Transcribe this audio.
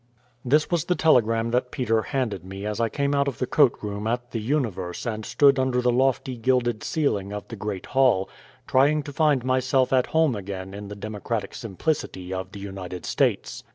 This was the telegram that Peter handed me as I came out of the coat room at the Universe and stood under the lofty gilded ceiling of the great hall, trying to find myself at home again in the democratic simplicity of the United States.